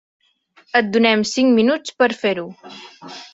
Et donem cinc minuts per a fer-ho.